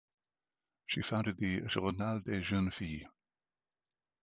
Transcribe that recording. She founded the "Journal des jeunes filles".